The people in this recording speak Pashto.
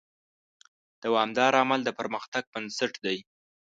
دوامداره عمل د پرمختګ بنسټ دی.